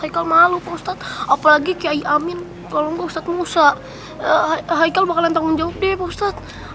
heikal malu pak ustadz apalagi ke ayyamin tolong gue ustadz musa heikal bakalan tanggung jawab deh pak ustadz